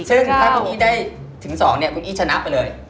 ซึ่งถ้าคุณอี้ได้ถึง๒เนี่ยคุณอี้ชนะไปเลย